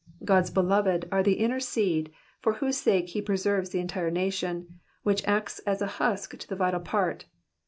God's beloved are the inner seed, for whose sake he preserves the entire nation, which acts as a husk to the vital part.